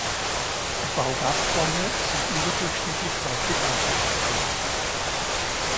Baobab-Bäume sind überdurchschnittlich häufig anzutreffen.